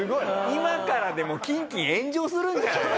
今からでもキンキン炎上するんじゃないの？